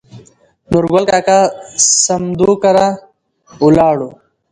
نورګل کاکا سمدو کره ولاړو.